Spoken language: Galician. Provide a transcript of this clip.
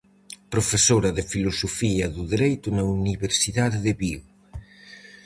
Profesora de Filosofía do Dereito na Universidade de Vigo.